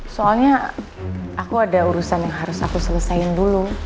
soalnya aku ada urusan yang harus aku selesaiin dulu